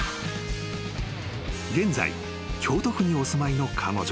［現在京都府にお住まいの彼女。